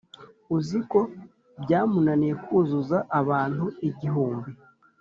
uziko byamunaniye kuzuza abantu igihumbi